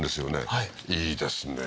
はいいいですね